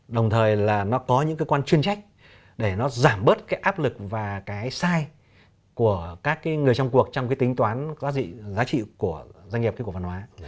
đồng thời là nó có những cơ quan chuyên trách để nó giảm bớt cái áp lực và cái sai của các người trong cuộc trong cái tính toán giá trị giá trị của doanh nghiệp cái cổ phần hóa